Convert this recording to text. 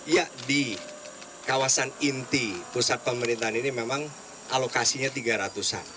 ya di kawasan inti pusat pemerintahan ini memang alokasinya tiga ratus an